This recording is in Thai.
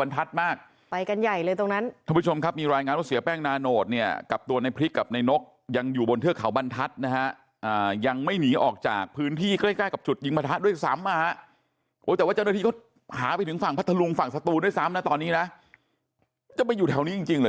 บรรทัศน์มากไปกันใหญ่เลยตรงนั้นทุกผู้ชมครับมีรายงานว่าเสียแป้งนาโนตเนี่ยกับตัวในพริกกับในนกยังอยู่บนเทือกเขาบรรทัศน์นะฮะยังไม่หนีออกจากพื้นที่ใกล้กับจุดยิงประทะด้วยซ้ำมาฮะโอ้ยแต่ว่าเจ้าหน้าที่ก็หาไปถึงฝั่งพัทรลุงฝั่งศัตรูด้วยซ้ำนะตอนนี้นะจะไปอยู่แถวนี้จริง